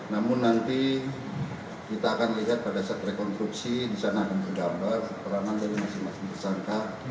namun nanti kita akan lihat pada saat rekonstruksi di sana akan tergambar peranan dari masing masing tersangka